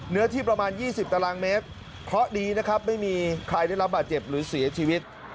เนื้อที่ประมาณ๒๐ตารางเมตรเพราะดีนะครับไม่มีใครได้รับบาดเจ็บหรือเสียชีวิต